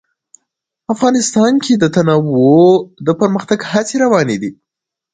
افغانستان کې د تنوع د پرمختګ هڅې روانې دي.